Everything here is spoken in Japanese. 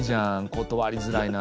断りづらいな。